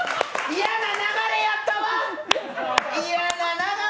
嫌な流れやった！